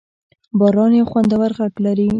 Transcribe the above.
باران یو خوندور غږ لري.